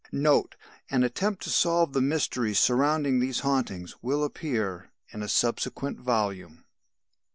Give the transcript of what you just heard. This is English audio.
NOTE. An attempt to solve the mystery surrounding these hauntings will appear in a subsequent volume.